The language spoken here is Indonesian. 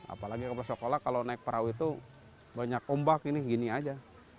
apalagi di pulau sokolah kalau naik perahu itu banyak ombak gini gini aja